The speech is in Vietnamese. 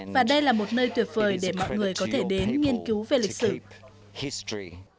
và đây là một nơi tuyệt vời để mọi người có thể đến nghiên cứu về lịch sử